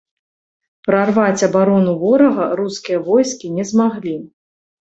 Прарваць абарону ворага рускія войскі не змаглі.